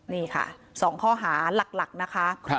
นี่ค่ะ๒ข้อหาหลักนะคะ